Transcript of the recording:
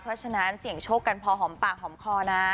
เพราะฉะนั้นเสี่ยงโชคกันพอหอมปากหอมคอนะ